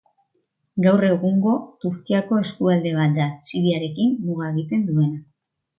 Gaur egungo Turkiako eskualde bat da, Siriarekin muga egiten duena.